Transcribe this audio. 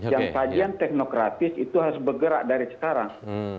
yang kajian teknokratis itu harus bergerak dari sekarang